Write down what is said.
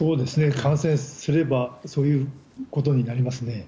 感染すればそういうことになりますね。